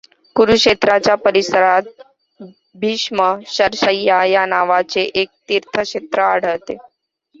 कुरुक्षेत्राच्या परिसरात भीष्मशरशय्या या नावाचे एक तीर्थक्षेत्र आढळते.